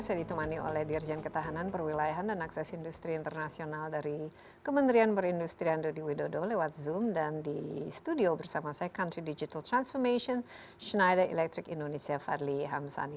saya ditemani oleh dirjen ketahanan perwilayahan dan akses industri internasional dari kementerian perindustrian dodi widodo lewat zoom dan di studio bersama saya country digital transformation schneider electric indonesia fadli hamsani